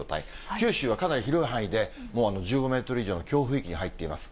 九州はかなり広い範囲で、もう１５メートル以上の強風域に入ってます。